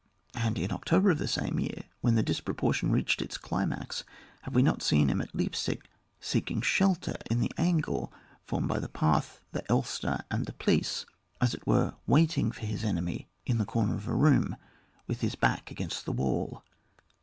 And in October of the same year, when the disproportion reached its climax, have' we not seen him at Leipsic, seeking shelter in the angle formed by the Parth, the Elster, and Fleiss, as it were waiting for his enemy in the comer of a room, with his back against the wall